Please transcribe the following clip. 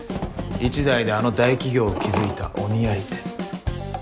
一代であの大企業を築いた鬼やり手。